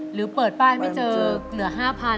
หรือเปิดป้ายไม่เจอเหลือ๕๐๐๐